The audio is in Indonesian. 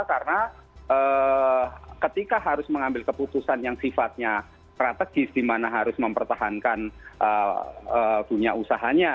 karena ketika harus mengambil keputusan yang sifatnya strategis dimana harus mempertahankan dunia usahanya